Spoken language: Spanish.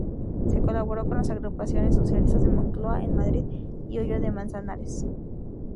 Colaboró con las agrupaciones socialistas de Moncloa, en Madrid, y Hoyo de Manzanares.